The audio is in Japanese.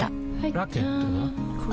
ラケットは？